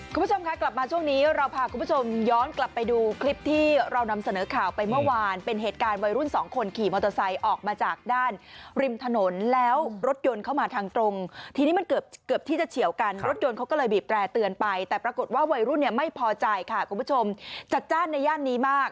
คุณผู้ชมคะกลับมาช่วงนี้เราพาคุณผู้ชมย้อนกลับไปดูคลิปที่เรานำเสนอข่าวไปเมื่อวานเป็นเหตุการณ์วัยรุ่นสองคนขี่มอเตอร์ไซค์ออกมาจากด้านริมถนนแล้วรถยนต์เข้ามาทางตรงทีนี้มันเกือบเกือบที่จะเฉียวกันรถยนต์เขาก็เลยบีบแตร่เตือนไปแต่ปรากฏว่าวัยรุ่นเนี่ยไม่พอใจค่ะคุณผู้ชมจัดจ้านในย่านนี้มาก